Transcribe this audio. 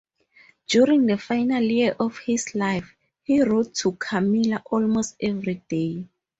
During the final year of his life, he wrote to Kamila almost every day.